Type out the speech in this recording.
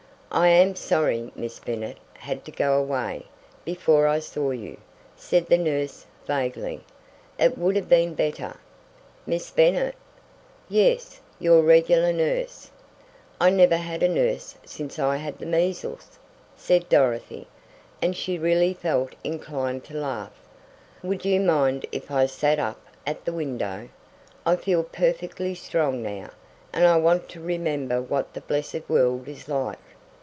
"I am sorry Miss Bennet had to go away, before I saw you," said the nurse, vaguely. "It would have been better " "Miss Bennet?" "Yes, your regular nurse." "I never had a nurse since I had the measles," said Dorothy, and she really felt inclined to laugh. "Would you mind if I sat up at the window? I feel perfectly strong now, and I want to remember what the blessed world is like."